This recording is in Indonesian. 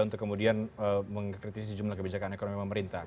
untuk kemudian mengkritisi jumlah kebijakan ekonomi pemerintah